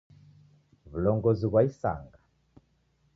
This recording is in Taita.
W'ulongozi ghwa isanga.